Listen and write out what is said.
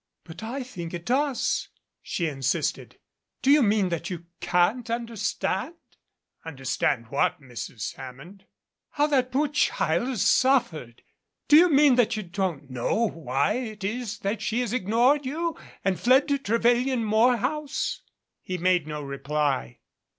"But I think it does," she insisted. "Do you mean that you can't understand?" "Understand what, Mrs. Hammond?" "How that poor child has suffered. Do you mean that you don't know why it is that she has ignored you and fled to Trevelyan Morehouse?" He made no reply.